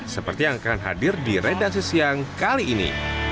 seperti yang akan hadir di redaksi siang kali ini